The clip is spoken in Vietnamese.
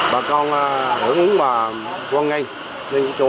bà con hưởng ứng vào quảng ngãi